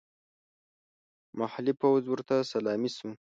محلي پوځ ورته سلامي شو.